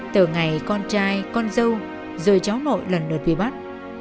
từ ngày con trai con dâu rồi cháu nội lần lượt bị bắt